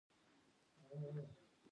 بالر توپ ویشتنه کوي، بیټسمېن يې وهي.